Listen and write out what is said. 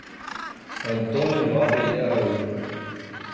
Antônio Nobre de Araújo